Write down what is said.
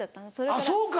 あっそうか。